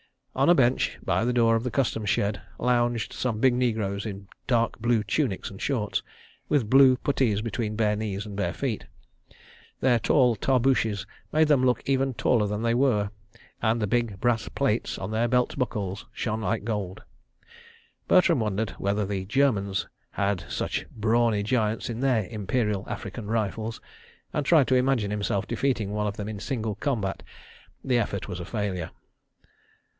On a bench, by the door of the Customs shed, lounged some big negroes in dark blue tunics and shorts, with blue puttees between bare knees and bare feet. Their tall tarbooshes made them look even taller than they were, and the big brass plates on their belt buckles shone like gold. Bertram wondered whether the Germans had just such brawny giants in their Imperial African Rifles, and tried to imagine himself defeating one of them in single combat. The effort was a failure.